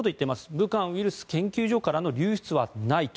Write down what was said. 武漢ウイルス研究所からの流出はないと。